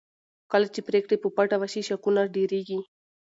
کله چې پرېکړې په پټه وشي شکونه ډېرېږي